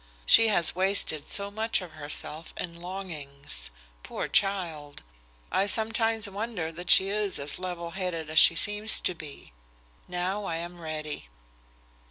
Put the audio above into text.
She has wasted so much of herself in longings. Poor child! I sometimes wonder that she is as level headed as she seems to be. Now I am ready."